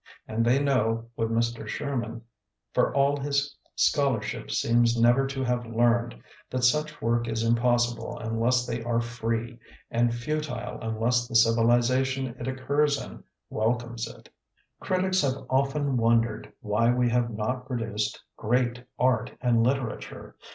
And they know, what Mr. Sher man for all his scholarship seems never to have learned, that such work is impossible unless they are free, and futile unless the civilization it occurs in welcomes it. Critics have often wondered why we have not produced "great" art and lit erature.